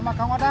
mas kau ada